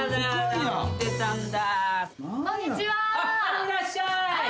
いらっしゃい。